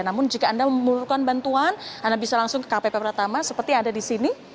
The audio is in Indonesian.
namun jika anda memerlukan bantuan anda bisa langsung ke kpp pertama seperti yang ada di sini